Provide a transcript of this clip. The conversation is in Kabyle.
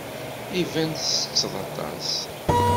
Iban ttetteḍ aṭas.